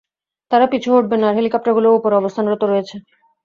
তারা পিছু হটবে না, আর হেলিকপ্টারগুলোও উপরে অবস্থানরত রয়েছে।